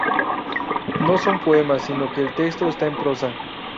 No son poemas sino que el texto está en prosa.